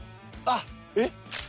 あっえっ？